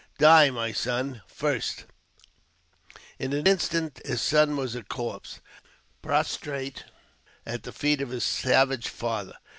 Die, my son, first !" In an instant his son was a corpse, prostrate at the feet of his savage father.